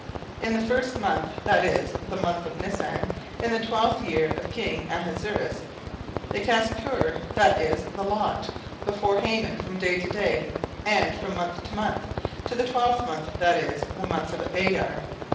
17:003:007 In the first month, that is, the month Nisan, in the twelfth year of king Ahasuerus, they cast Pur, that is, the lot, before Haman from day to day, and from month to month, to the twelfth month, that is, the month Adar.